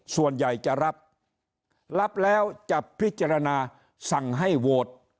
ส่วนใหญ่จะรับรับแล้วจะพิจารณาสั่งให้โหวต